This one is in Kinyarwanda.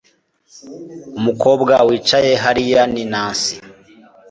Umukobwa wicaye hariya ni Nancy